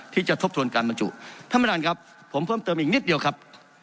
ที่จะทบทวนการบาทอยู่ท่านบ้านครับผมเพิ่มเติมอีกนิดเดียวครับ